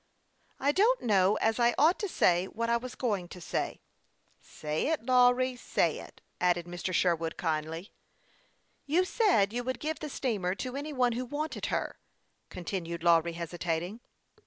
" I don't know as I ought to say what I was going to say." " Say it, Lawry, say it," added Mr. Sherwood, kindly. " You said you would give the steamer to any one who wanted her," continued Lawry, hesitating.